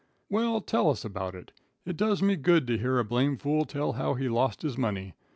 "Well, tell us about it. It does me good to hear a blamed fool tell how he lost his money.